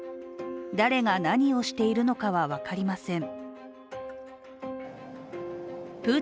誰が何をしているのかは分かりません。